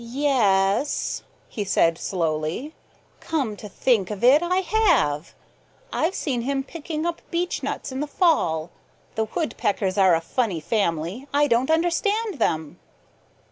"Ye e s," he said slowly. "Come to think of it, I have. I've seen him picking up beechnuts in the fall. The Woodpeckers are a funny family. I don't understand them."